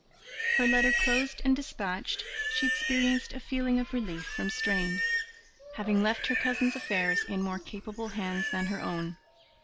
Her letter closed and dispatched, she experienced a feeling of relief from strain, having left her cousin's affairs in more capable hands than her own.